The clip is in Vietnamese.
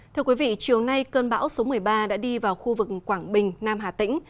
thưa quý vị chiều nay cơn bão số một mươi ba đã đi vào khu vực quảng bình nam hà tĩnh